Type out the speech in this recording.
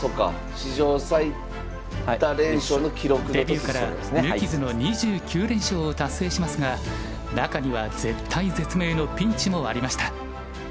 デビューから無傷の２９連勝を達成しますが中には絶体絶命のピンチもありました。